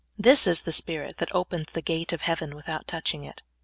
This is the spirit that opens the gate of heaven without touching it.